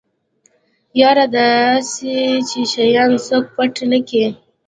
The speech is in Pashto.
يره دا اسې چې شيان څوک پټ نکي.